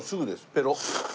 ペロッ。